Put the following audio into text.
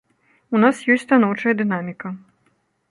У нас ёсць станоўчая дынаміка.